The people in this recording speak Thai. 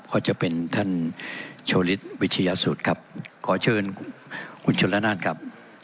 ก็จะเป็นท่านโชว์ฤทธิ์วิชยสุดครับขอเชิญคุณชุลนานครับ